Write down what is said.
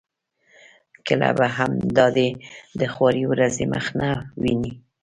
کله به هم دای د خوارې ورځې مخ نه وویني.